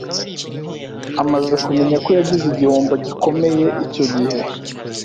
amaze kumenya ko yagize igihombo gikomeye icyo gihe